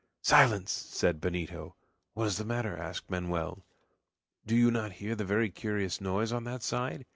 "Silence!" said Benito. "What is the matter?" asked Manoel. "Do you not hear a very curious noise on that side?"